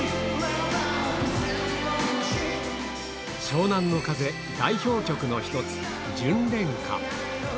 湘南乃風、代表曲の一つ、純恋歌。